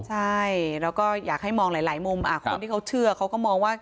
ใช่แล้วก็อยากให้มองหลายมุมคนที่เขาเชื่อเขาก็มองว่า